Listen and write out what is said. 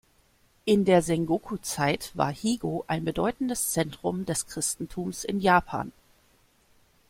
In der Sengoku-Zeit war Higo ein bedeutendes Zentrum des Christentums in Japan.